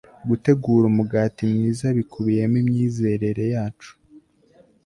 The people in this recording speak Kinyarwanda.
Gutegura Umugati Mwiza Bikubiyemo Imyizerere Yacu